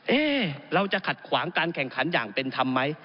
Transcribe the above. เราจะขัดขวางการแข่งขันอย่างเป็นธรรมไหม